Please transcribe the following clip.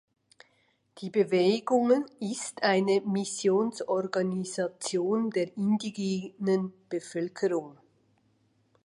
Die Bewegung ist eine Missionsorganisation der indigenen Bevölkerung.